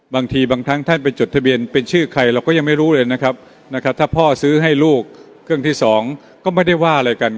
บางทีบางครั้งท่านไปจดทะเบียนเป็นชื่อใครเราก็ยังไม่รู้เลยนะครับถ้าพ่อซื้อให้ลูกเครื่องที่สองก็ไม่ได้ว่าอะไรกัน